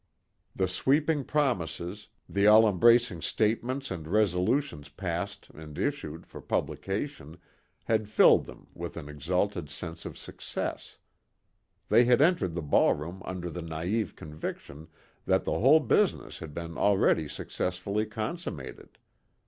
The sweeping promises, the all embracing statements and resolutions passed and issued for publication had filled them with an exalted sense of success. They had entered the ballroom under the naive conviction that the whole business had been already successfully consummated.